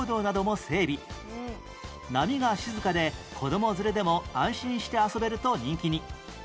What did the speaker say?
波が静かで子ども連れでも安心して遊べると人気に